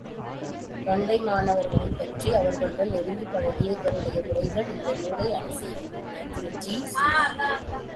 தொண்டைமானவர்களைப் பற்றி, அவர்களுடன் நெருங்கிப்பழகிய இருவருடைய உரைகள் இந்த நூலை அணி செய்கின்றன, திருஜி.ஸி.